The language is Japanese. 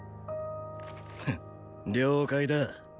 フッ了解だ。